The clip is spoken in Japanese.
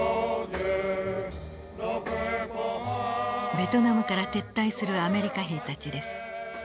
ベトナムから撤退するアメリカ兵たちです。